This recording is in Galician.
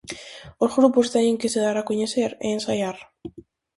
Os grupos teñen que se dar a coñecer e ensaiar.